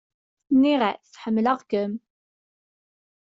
Nniɣ-as: Ḥemmleɣ-kem.